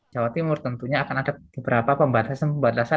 jawa timur tentunya akan ada beberapa pembatasan pembatasan